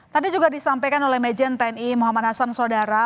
tadi juga disampaikan oleh majen tni muhammad hasan saudara